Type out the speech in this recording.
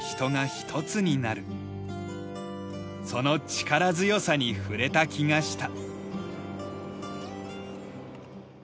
その力強さに触れた気がした。